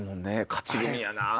勝ち組やな！